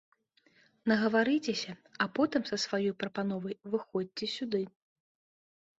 Нагаварыцеся, а потым са сваёй прапановай выходзьце сюды.